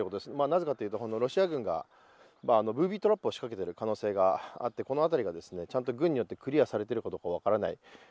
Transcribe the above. なぜかというと、ロシア軍がブービートラップを仕掛けている可能性があってこの辺りが軍によってクリアされているかどうかが分からない。